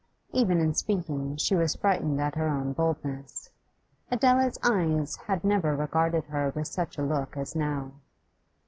Even in speaking she was frightened at her own boldness. Adela's eyes had never regarded her with such a look as now.